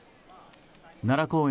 奈良公園